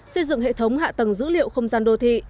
xây dựng hệ thống hạ tầng dữ liệu không gian đô thị